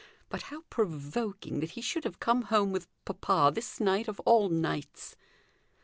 "But how provoking that he should have come home with papa this night of all nights!"